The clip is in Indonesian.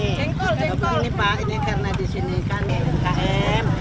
ini karena di sini kan mkm